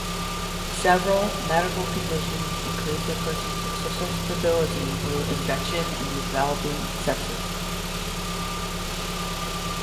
Several medical conditions increase a person's susceptibility to infection and developing sepsis.